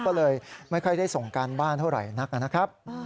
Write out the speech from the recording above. ก็เลยไม่ค่อยได้ส่งการบ้านเท่าไหร่นักนะครับ